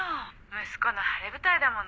息子の晴れ舞台だもの。